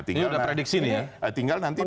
ini sudah prediksi nih ya